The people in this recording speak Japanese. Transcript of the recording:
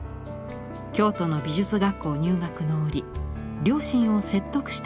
京都の美術学校入学の折両親を説得してくれた人物です。